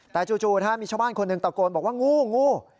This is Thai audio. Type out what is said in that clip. แต่จู่มีชาวบ้านคนหนึ่งตะโกนบอกว่างูงู